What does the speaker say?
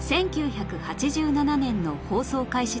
１９８７年の放送開始